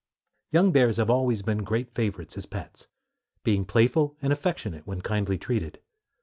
Young bears have always been great favorites as pets, being playful and affectionate when kindly treated.